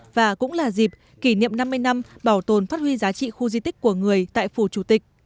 và cũng là dịp kỷ niệm năm mươi năm bảo tồn phát huy giá trị khu di tích của người tại phủ chủ tịch